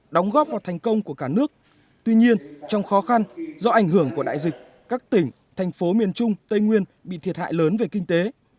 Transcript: đóng góp vào thành công của cả nước tuy nhiên trong khó khăn do ảnh hưởng của đại dịch các tỉnh thành phố miền trung tây nguyên bị thiệt hại lớn về kinh tế